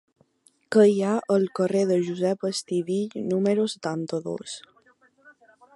Què hi ha al carrer de Josep Estivill número setanta-dos?